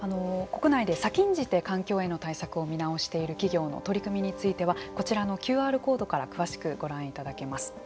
国内で先んじて環境への対策を見直している企業の取り組みについてはこちらのＱＲコードから詳しくご覧いただけます。